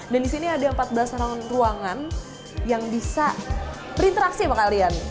dan di sini ada empat belas ruangan yang bisa berinteraksi sama kalian